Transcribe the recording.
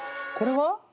これは？